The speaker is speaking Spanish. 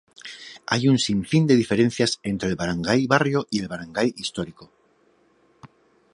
Hay un sinfín de diferencias entre el Barangay barrio y el Barangay histórico.